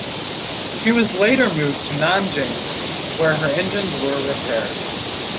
She was later moved to Nanjing where her engines were repaired.